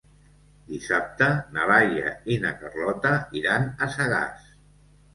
Dissabte na Laia i na Carlota iran a Sagàs.